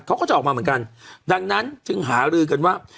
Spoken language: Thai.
เขาก็จะออกมาเหมือนกันดังนั้นจึงหารือกันว่า